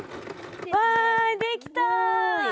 わいできた！